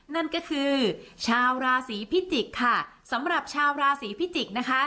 นั่นก็คือชาวราศีพิจิกค่ะสำหรับชาวราศีพิจิกษ์นะคะ